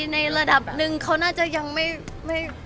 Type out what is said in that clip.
ในระดับหนึ่งเขาน่าจะยังไม่